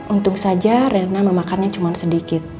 untung saja rena memakannya cuma sedikit